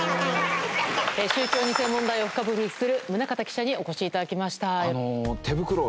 宗教２世問題をフカボリする宗像記者にお越しいただきました。